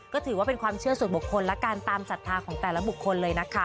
ก็ถือว่าเป็นความเชื่อส่วนบุคคลแล้วกันตามศรัทธาของแต่ละบุคคลเลยนะคะ